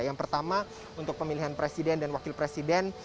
yang pertama untuk pemilihan presiden dan wakil presiden